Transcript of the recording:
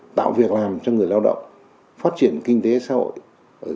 tạo việc làm cho người lao động phát triển kinh tế xã hội